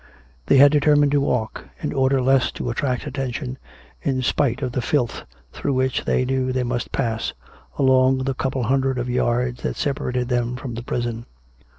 They had determined to walk, in order less to attract attention, in spite of the filth through wliich they knew they must pass, along the couple of hundred yards that separated them from the prison.